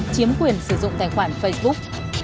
chiếm quyền sử dụng tài khoản facebook